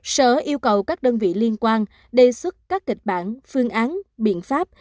sở yêu cầu các đơn vị liên quan đề xuất các kịch bản phương án biện pháp